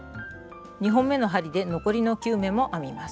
２本めの針で残りの９目も編みます。